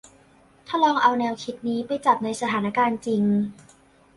ถ้าลองเอาแนวคิดนี้ไปจับในสถานการณ์จริง